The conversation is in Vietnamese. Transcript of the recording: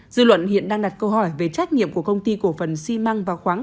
dư luận hiện đang đặt câu hỏi về trách nhiệm của công ty cổ phần xi măng vào khoáng